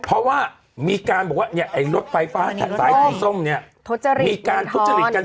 เพราะว่ามีการบอกว่าเนี่ยไอ้รถไฟฟ้าสายสีส้มเนี่ยมีการทุจริตกัน